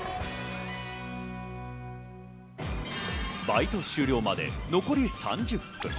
バイト終了まで残り３０分。